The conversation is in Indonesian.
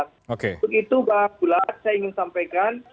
untuk itu bang gulat saya ingin sampaikan